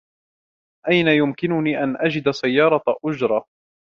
أين يمكنني أن أجد سيارة أجرة ؟